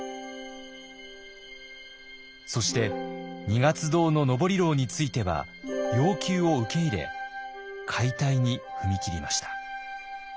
そして二月堂の登廊については要求を受け入れ解体に踏み切りました。